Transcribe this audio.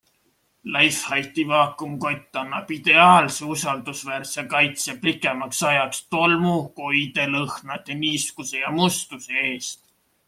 Leifheiti vaakumkott annab ideaalse usaldusväärse kaitse pikemaks ajaks tolmu, koide, lõhnade, niiskuse ja mustuse eest.